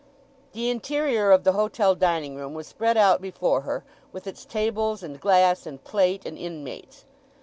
The interior of the hotel dining room was spread out before her, with its tables, and glass, and plate, and inmates.